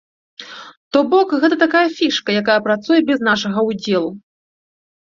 То бок, гэта такая фішка, якая працуе без нашага ўдзелу.